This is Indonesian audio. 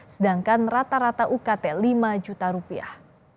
sedangkan rata rata ukt lima juta rupiah